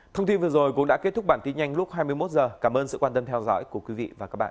thông tin vừa rồi cũng đã kết thúc bản tin nhanh lúc hai mươi một h cảm ơn sự quan tâm theo dõi của quý vị và các bạn